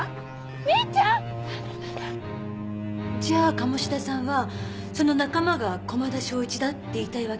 みっちゃん！じゃあ鴨志田さんはその仲間が駒田正一だって言いたいわけ？